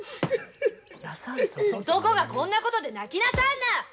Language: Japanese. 男がこんなことで泣きなさんな！